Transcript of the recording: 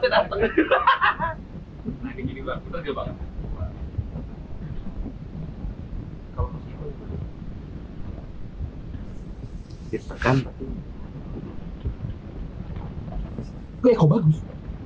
setelah tercampur rata bulatkan adonan dan diamkan selama setengah jam